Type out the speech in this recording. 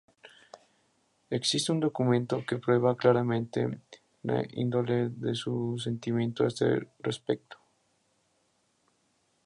Existe un documentó que prueba claramente la índole de su sentimiento a este respecto.